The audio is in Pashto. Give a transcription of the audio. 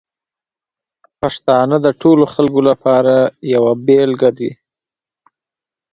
پښتانه د ټولو خلکو لپاره یوه بېلګه دي.